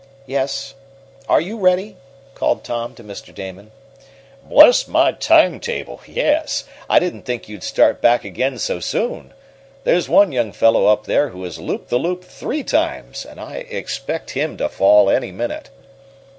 "Yes. Are you ready?" called Tom to Mr. Damon. "Bless my timetable, yes! I didn't think you'd start back again so soon. There's one young fellow up there who has looped the loop three times, and I expect him to fall any minute."